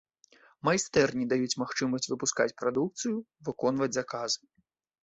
Майстэрні даюць магчымасць выпускаць прадукцыю, выконваць заказы.